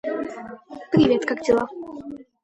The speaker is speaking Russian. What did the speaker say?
привет, как дела